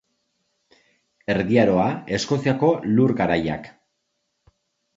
Erdi Aroa, Eskoziako Lur Garaiak.